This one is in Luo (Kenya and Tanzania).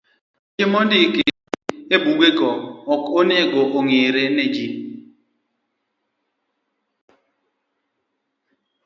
Weche mondiki ebugego ok onego ong'ere ne ji